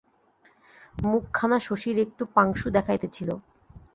মুখখানা শশীর একটু পাংশু দেখাইতেছিল।